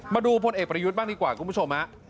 มาดูพลเอกประยุจมากดีกว่าคุณผู้ชมอ่ะ